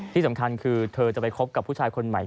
ที่สำคัญคือเธอจะไปคบกับผู้ชายคนใหม่